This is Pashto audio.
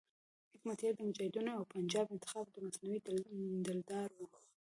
حکمتیار د مجاهدینو او پنجاب انتخاب او د منصوري دلدار وو.